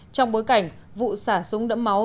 trong bối cảnh vụ xả súng đẫm máu